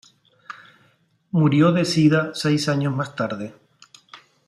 Murió de sida seis años más tarde.